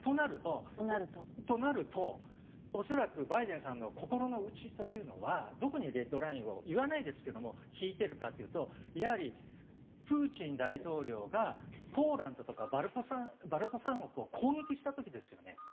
となると？となると恐らくバイデンさんの心の内というのはどこにレッドラインを言わないですけども引いてるかというとやはりプーチン大統領がポーランドとかバルト三国を攻撃した時ですよね。